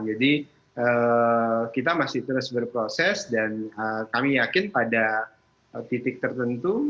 jadi kita masih terus berproses dan kami yakin pada titik tertentu